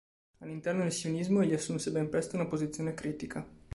All'interno del sionismo egli assunse ben presto una posizione critica.